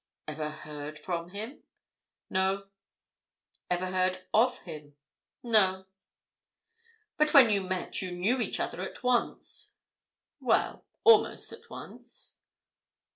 "Ever heard from him?" "No." "Ever heard of him?" "No." "But when you met, you knew each other at once?" "Well—almost at once."